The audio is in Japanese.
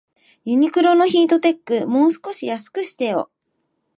ユニクロのヒートテック、もう少し安くしてよ